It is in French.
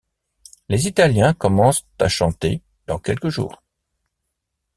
Les Italiens commencent à chanter dans quelques jours.